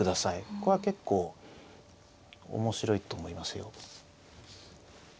ここは結構面白いと思いますよ。